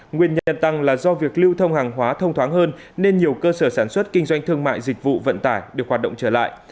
nguyên nhân tăng là do việc lưu thông hàng hóa thông thoáng hơn nên nhiều cơ sở sản xuất kinh doanh thương mại dịch vụ vận tải được hoạt động trở lại